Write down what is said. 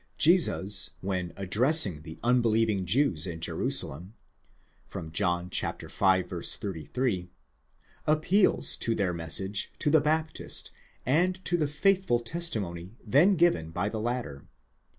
Jesus, when addressing the unbelieving Jews in Jerusalem, {John v. 33), appeals to their message to the Baptist, and to the faithful testi mony then given by the latter.